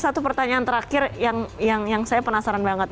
satu pertanyaan terakhir yang saya penasaran banget